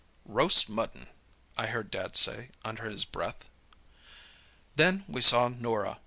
"Roast mutton!' I heard Dad say under his breath. "Then we saw Norah.